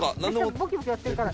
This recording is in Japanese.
ボキボキ割ってるから。